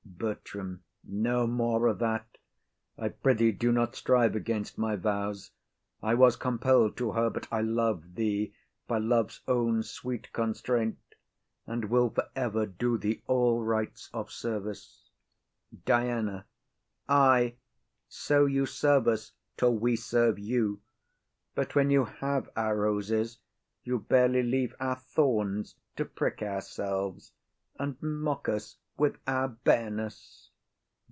BERTRAM. No more a' that! I pr'ythee do not strive against my vows; I was compell'd to her; but I love thee By love's own sweet constraint, and will for ever Do thee all rights of service. DIANA. Ay, so you serve us Till we serve you; but when you have our roses, You barely leave our thorns to prick ourselves, And mock us with our bareness.